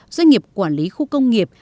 doanh nghiệp quản lý khu công nghiệp